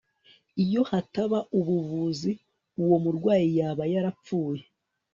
iyo hataba ubuvuzi, uwo murwayi yaba yarapfuye